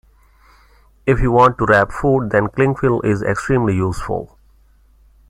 If you want to wrap food, then clingfilm is extremely useful